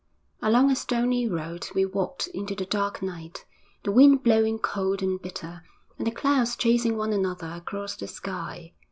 Along a stony road we walked into the dark night, the wind blowing cold and bitter, and the clouds chasing one another across the sky.